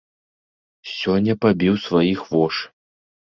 Сёння пабіў сваіх вошы.